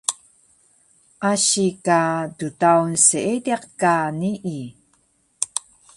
asi ka ddaun seediq ka nii